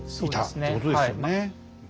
そうですね。